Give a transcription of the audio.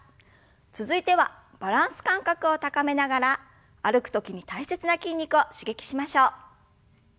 続いてはバランス感覚を高めながら歩く時に大切な筋肉を刺激しましょう。